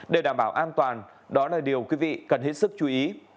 để đảm bảo an toàn đó là điều quý vị cần hết sức chú ý